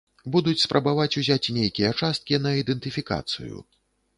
Будуць спрабаваць узяць нейкія часткі на ідэнтыфікацыю.